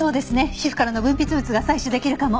皮膚からの分泌物が採取できるかも。